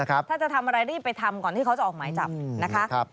ถ้าจะทำอะไรรีบไปทำก่อนที่เขาจะออกหมายจับนะคะ